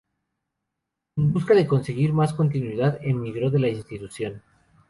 En busca de conseguir más continuidad, emigró de la institución.